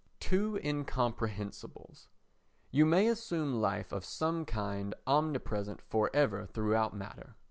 Two Incomprehensibles You may assume life of some kind omnipresent for ever throughout matter.